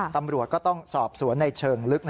ตำรวจก็ต้องสอบสวนในเชิงลึก